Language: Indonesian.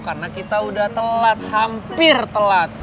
karena kita udah telat hampir telat